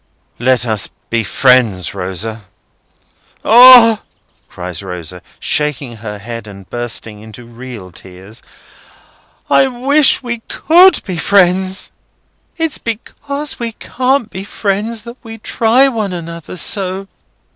"Let us be friends, Rosa." "Ah!" cries Rosa, shaking her head and bursting into real tears, "I wish we could be friends! It's because we can't be friends, that we try one another so.